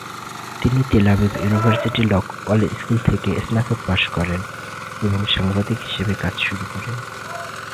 তিনি Tel Aviv university law school থেকে স্নাতক পাশ করেন এবং সাংবাদিক হিসেবে কাজ শুরু করেন।